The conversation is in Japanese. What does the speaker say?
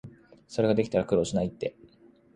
それができたら苦労しないって